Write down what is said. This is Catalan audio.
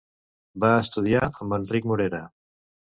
Va estudiar amb Enric Morera.